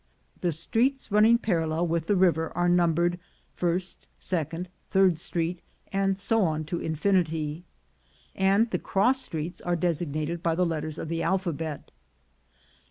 The streets running parallel with the river are numbered First, Second, Third Street, and so on to infinity, and the cross streets are designated by the letters of the alphabet.